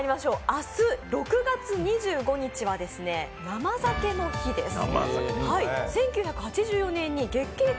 明日６月２５日は生酒の日です。